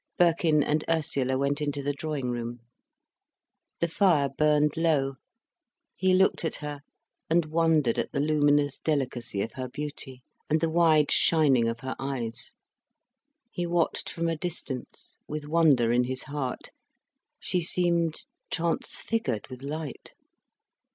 Birkin and Ursula went into the drawing room. The fire burned low. He looked at her and wondered at the luminous delicacy of her beauty, and the wide shining of her eyes. He watched from a distance, with wonder in his heart, she seemed transfigured with light.